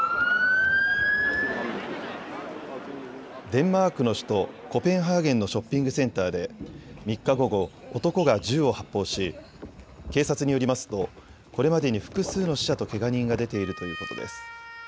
デンマークの首都コペンハーゲンのショッピングセンターで３日午後、男が銃を発砲し警察によりますとこれまでに複数の死者とけが人が出ているということです。